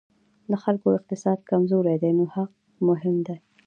د خلکو اقتصاد کمزوری دی نو حق مهم دی.